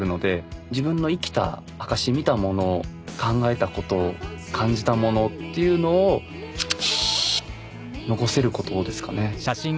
自分の生きた証見たもの考えたこと感じたものっていうのを残せることですかね。